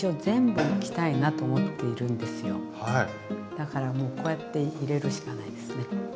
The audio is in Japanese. だからもうこうやって入れるしかないですね。